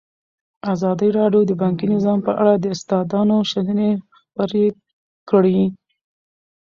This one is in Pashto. ازادي راډیو د بانکي نظام په اړه د استادانو شننې خپرې کړي.